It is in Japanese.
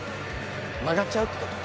曲がっちゃうってこと？